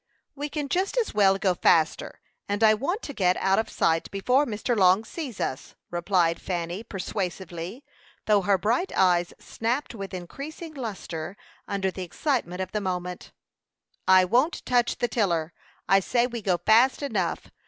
"We can just as well go faster; and I want to get out of sight before Mr. Long sees us," replied Fanny, persuasively, though her bright eyes snapped with increasing lustre under the excitement of the moment. "I won't touch the tiller; I say we go fast enough.